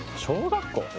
小学校？